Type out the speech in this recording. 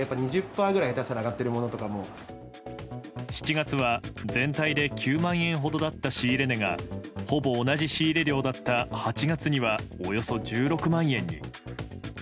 ７月は全体で９万円ほどだった仕入れ値がほぼ同じ仕入れ量だった８月にはおよそ１６万円に。